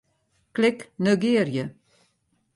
Klik Negearje.